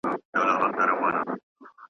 خپل قلمه خپل خمار لره په خپله